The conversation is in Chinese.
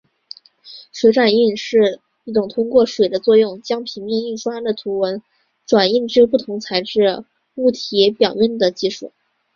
水转印是一种通过水的作用将平面印刷的图文转印至不同材质物体表面的技术。